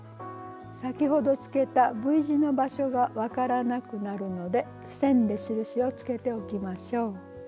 先ほどつけたＶ字の場所が分からなくなるので線で印をつけておきましょう。